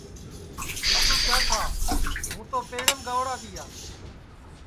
مِسکُو کیا ٹھا ہوں تو پیڑیم گئوڑا تیا